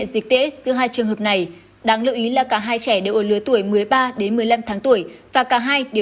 dịch tễ giữa hai trường hợp này đáng lưu ý là cả hai trẻ đều ở lứa tuổi một mươi ba đến một mươi năm tháng tuổi và cả hai đều